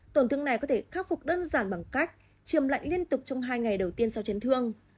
tổn thương này có thể khắc phục đơn giản bằng cách chiềm lạnh liên tục trong hai ngày đầu tiên sau chấn thương